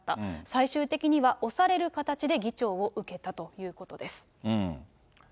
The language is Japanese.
最終的には推される形で議長を受けたということです。